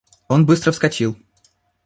Он быстро вскочил.